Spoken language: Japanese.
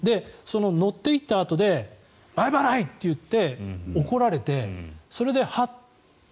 乗っていったあとで前払い！って言って怒られてそれでハッと。